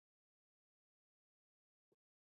افغانستان په کندهار ولایت باندې غني دی.